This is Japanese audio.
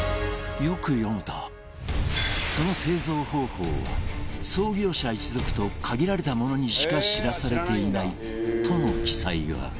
よく読むとその製造方法は創業者一族と限られた者にしか知らされていないとの記載が